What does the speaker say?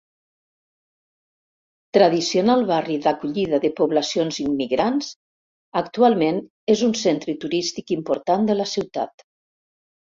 Tradicional barri d'acollida de poblacions immigrants, actualment és un centre turístic important de la ciutat.